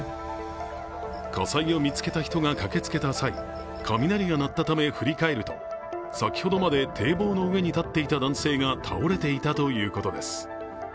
火災を見つけた人が駆けつけた際、雷が鳴ったため振り返ると先ほどまで堤防の上に立っていた男性が倒れていたということです。